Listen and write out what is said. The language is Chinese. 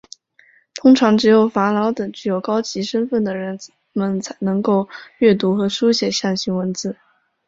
通常只有法老等具有高级身份的人们能够阅读和书写象形文字。